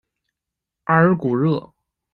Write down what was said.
阿尔古热。